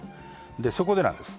そこでなんです。